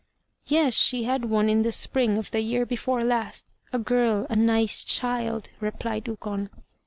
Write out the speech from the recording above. "Yes, she had one in the spring of the year before last a girl, a nice child," replied Ukon.